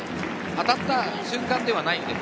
当たった瞬間ではないんです。